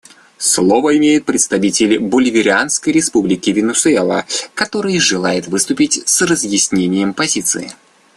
Слово имеет представитель Боливарианской Республики Венесуэла, который желает выступить с разъяснением позиции.